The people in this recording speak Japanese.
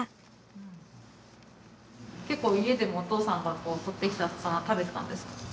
結構家でもお父さんが取ってきた魚食べてたんですか？